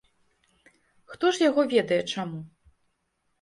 Хто ж яго ведае чаму.